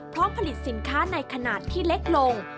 พร้อมผลิตสินค้าในขนาดที่เล็กลง